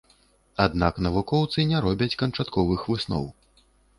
Аднак навукоўцы не робяць канчатковых высноў.